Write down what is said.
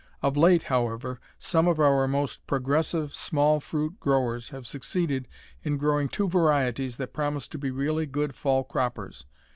Of late, however, some of our most progressive small fruit growers have succeeded in growing two varieties that promise to be really good fall croppers.